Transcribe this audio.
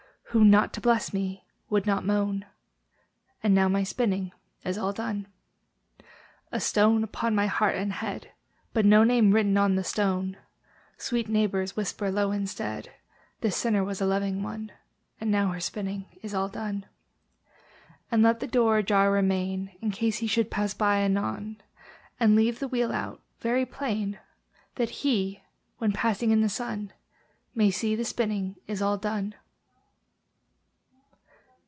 Who, not to bless me, would not moan. And now my spinning is all done. A stone upon my heart and head, But no name written on the stone! Sweet neighbours, whisper low instead, "This sinner was a loving one, And now her spinning is all done." And let the door ajar remain, In case he should pass by anon; And leave the wheel out very plain, That HE, when passing in the sun, May see the spinning is all done.